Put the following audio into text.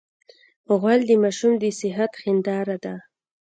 غول د ماشوم د صحت هنداره ده.